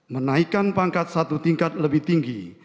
menaikkan pangkat satu tingkat lebih tinggi